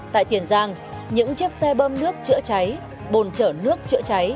tại tiền giang những chiếc xe bơm nước chữa cháy bồn chở nước chữa cháy